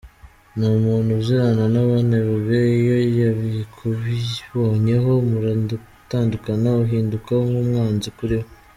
Ni umuntu uzirana n’abanebwe iyo yabikubonyeho muratandukana, uhinduka nk’umwanzi kuri we.